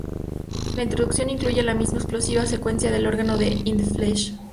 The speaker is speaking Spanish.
La introducción incluye la misma explosiva secuencia de órgano de "In the Flesh?".